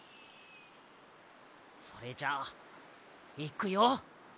それじゃあいくよ！